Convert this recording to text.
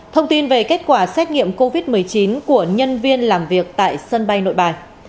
thông tin về kết quả xét nghiệm covid một mươi chín của nhân viên làm việc tại sân bay nội bài